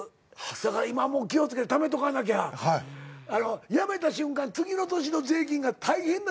だから今も気を付けてためとかなきゃやめた瞬間次の年の税金が大変なるみたいよ。